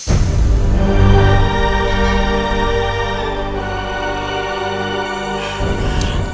tidak akan berubah